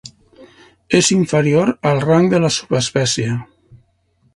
És inferior al rang de la subespècie.